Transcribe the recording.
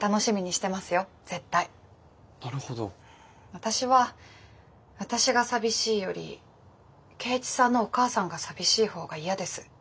私は私が寂しいより圭一さんのお母さんが寂しい方が嫌です。